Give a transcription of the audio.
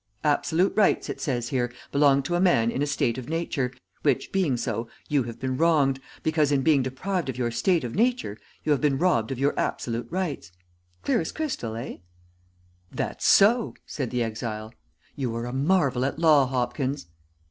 Absolute rights, it says here, belong to man in a state of nature, which being so, you have been wronged, because in being deprived of your state of nature you have been robbed of your absolute rights. Clear as crystal, eh?" "That's so," said the exile. "You are a marvel at law, Hopkins."